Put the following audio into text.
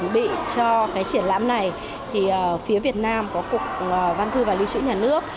bị cho triển lãm này phía việt nam có cục văn thư và lưu trữ nhà nước